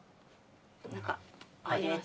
中入れます。